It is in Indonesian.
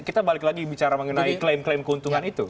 kita balik lagi bicara mengenai klaim klaim keuntungan itu